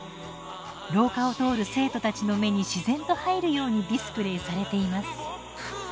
廊下を通る生徒たちの目に自然と入るようにディスプレーされています。